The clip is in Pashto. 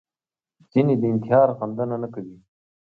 ځینې د انتحار غندنه نه کوي